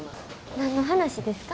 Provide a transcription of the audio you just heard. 何の話ですか？